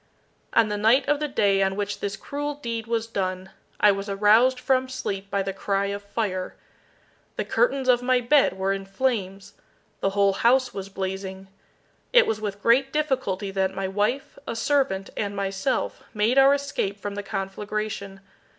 On the night of the day on which this cruel deed was done, I was aroused from sleep by the cry of fire. The curtains of my bed were in flames. The whole house was blazing. It was with great difficulty that my wife, a servant, and myself, made our escape from the conflagration.